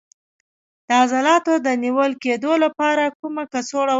د عضلاتو د نیول کیدو لپاره کومه کڅوړه وکاروم؟